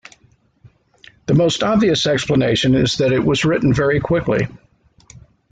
The most obvious explanation is that it was written very quickly.